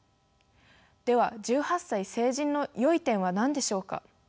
では１８歳成人の良い点は何でしょうか？